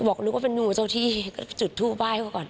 บอกนึกว่าเป็นงูเจ้าที่จุดทูปไห้เขาก่อน